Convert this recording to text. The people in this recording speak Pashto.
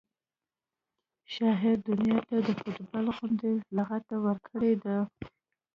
شاعر دنیا ته د فټبال غوندې لغته ورکړې ده